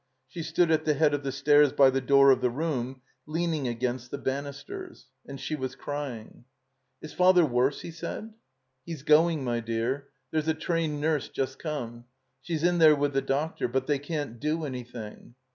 She stood at the head of the stairs by the door of the room, leaning against the banisters. And she was crying. 334 THE COMBINED MAZE *'Is Father worse?" he said. "He's going, my dear. There's a trained nurse just come. She's in there with the doctor. But they caa't do anjrthing."